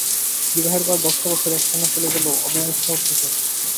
বিবাহের পর দশটা বছর একটানা চলে গেল অবিমিশ্র সুখে।